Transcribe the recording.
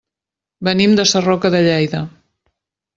Venim de Sarroca de Lleida.